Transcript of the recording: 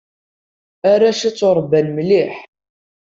Arrac-a ttuṛebban mliḥ.